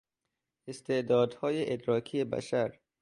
استعدادهای ادراکی بشر